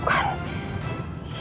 dan tidak tersaingkan